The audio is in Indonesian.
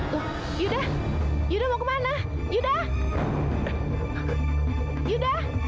yuda yuda mau kemana yuda